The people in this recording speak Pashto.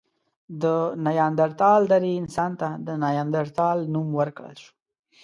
د نیاندرتال درې انسان ته د نایندرتال نوم ورکړل شو.